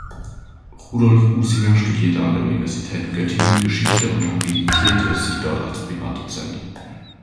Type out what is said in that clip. Rudolf Usinger studierte an der Universität Göttingen Geschichte und habilitierte sich dort als Privatdozent.